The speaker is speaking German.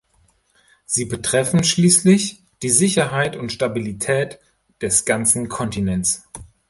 Sie betreffen schließlich die Sicherheit und Stabilität des ganzen Kontinents.